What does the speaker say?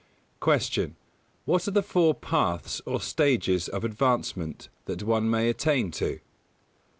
189. Q. _What are the four paths or stages of advancement that one may attain to?